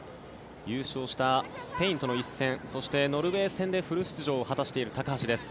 優勝したスペインとの一戦そして、ノルウェー戦でフル出場を果たしている高橋。